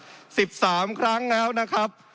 ข้อหกสิบสามเขาง้าวนะครับ